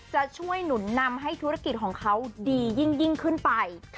จะช่วยหนุนนำให้ธุรกิจของเขาดียิ่งขึ้นไป